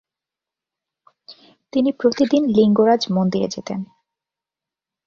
তিনি প্রতিদিন লিঙ্গরাজ মন্দিরে যেতেন।